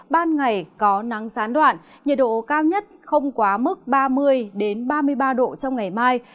ban ngày có nắng gián đoạn nhiệt độ cao nhất không quá mức ba mươi ba mươi ba độ trong ngày mai